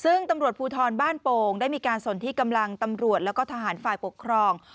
ซึ่งตำรวจภูทรบ้านโป่งได้มีการสนที่กำลังตำรวจแล้วก็ทหารฝ่ายปกครอง